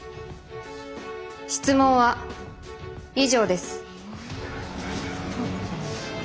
質問は以上です。